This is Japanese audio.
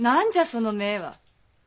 その目は。